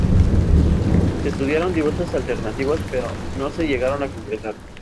Se estudiaron diversas alternativas pero no se llegaron a concretar.